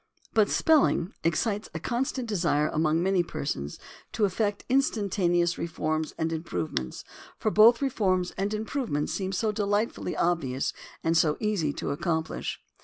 But spelling excites a constant desire among many persons to effect instantaneous reforms and improvements, for both reforms and improvements seem so delightfully obvious and so easy to accomplish.